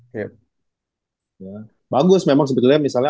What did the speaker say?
oke ya bagus memang sebetulnya misalnya